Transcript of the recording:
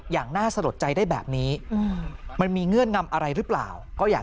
อย่างน่าสะลดใจได้แบบนี้มันมีเงื่อนงำอะไรหรือเปล่าก็อยาก